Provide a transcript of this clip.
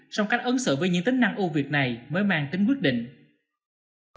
song cách ứng xử với những tính năng ưu việt này mới mang tính quyết định